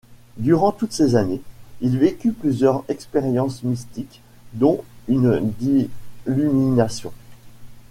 Durant toutes ces années, il vécut plusieurs expériences mystiques dont une d'illumination.